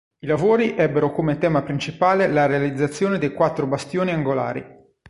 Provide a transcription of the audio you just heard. I lavori ebbero come tema principale la realizzazione dei quattro bastioni angolari.